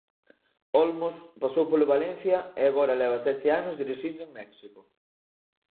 Olmos pasou polo Valencia e agora leva sete anos dirixindo en México.